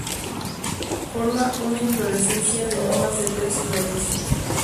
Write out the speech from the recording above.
Forma una inflorescencia de no más de tres flores.